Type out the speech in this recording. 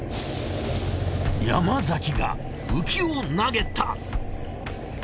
山崎が浮きを投げた。